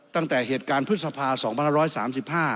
ตั้งแต่เหตุการณ์พฤษภา๒๕๓๕